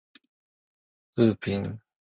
ウーピン